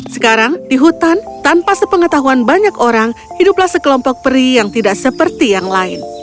sekarang di hutan tanpa sepengetahuan banyak orang hiduplah sekelompok peri yang tidak seperti yang lain